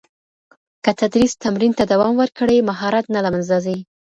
که تدریس تمرین ته دوام ورکړي، مهارت نه له منځه ځي.